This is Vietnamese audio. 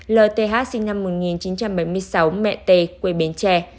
lth sinh năm một nghìn chín trăm bảy mươi sáu mẹ t quê bến tre